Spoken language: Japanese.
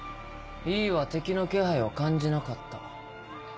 井伊は敵の気配を感じなかった。